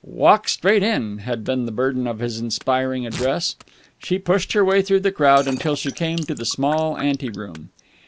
"Walk straight in!" had been the burden of his inspiring address. She pushed her way through the crowd until she came to the small ante room.